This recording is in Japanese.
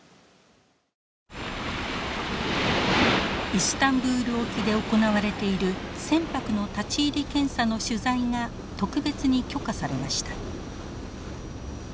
イスタンブール沖で行われている船舶の立ち入り検査の取材が特別に許可されました。